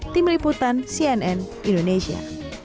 tim liputan cnn indonesia